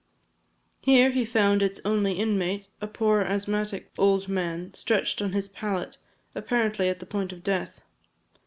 Here he found its only inmate a poor asthmatic old man, stretched on his pallet, apparently at the point of death.